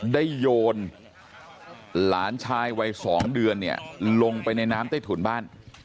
โยนหลานชายวัย๒เดือนเนี่ยลงไปในน้ำใต้ถุนบ้าน